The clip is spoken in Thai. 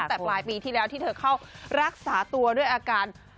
แต่ปลายปีที่แล้วที่เธอเข้ารักษาตัวด้วยอาการ